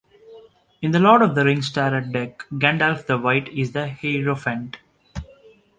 In the Lord of the Rings Tarot Deck, Gandalf the White is the Hierophant.